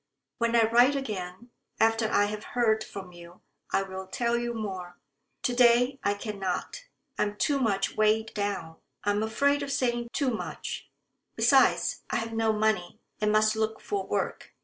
"When I write again, after I have heard from you, I will tell you more. To day I cannot. I am too much weighed down. I am afraid of saying too much. Besides, I have no money, and must look for work.